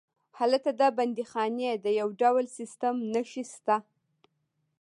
هلته د بندیخانې د یو ډول سیسټم نښې شته.